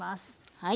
はい。